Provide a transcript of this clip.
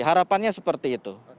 harapannya seperti itu